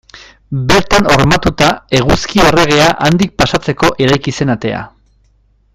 Bertan hormatuta, Eguzki Erregea handik pasatzeko eraiki zen atea.